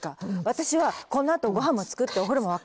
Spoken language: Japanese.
私はこのあとご飯も作ってお風呂も沸かして。